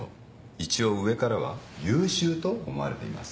一応上からは優秀と思われています。